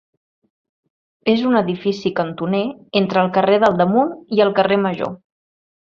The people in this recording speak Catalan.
És un edifici cantoner entre el carrer del Damunt i el carrer Major.